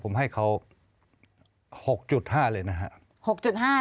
ผมให้เขา๖๕เลยนะครับ